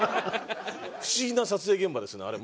不思議な撮影現場ですねあれ